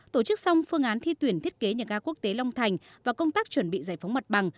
tổ chức xong phương án thi tuyển thiết kế nhà ga quốc tế long thành và công tác chuẩn bị giải phóng mặt bằng